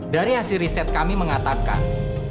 dari hasil riset kami mengatakan